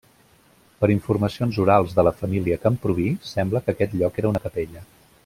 Per informacions orals de la família Camprubí, sembla que aquest lloc era una capella.